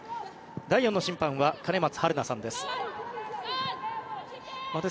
第４の審判は兼松春奈さんです。